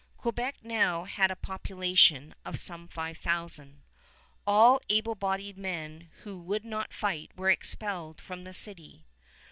Quebec now had a population of some five thousand. All able bodied men who would not fight were expelled from the city.